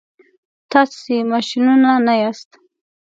تاسي ماشینونه نه یاست.